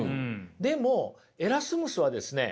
でもエラスムスはですね